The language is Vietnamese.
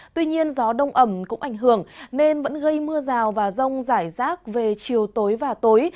tuy nhiên gió đông ẩm cũng ảnh hưởng nên vẫn gây mưa rào và rông rải rác về chiều tối và tối